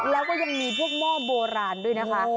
แล้วก็ยังมีพวกหม้อโบราณด้วยนะคะ